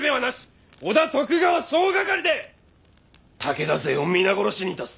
織田徳川総掛かりで武田勢を皆殺しにいたす。